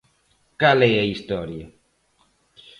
¿Cal é a historia?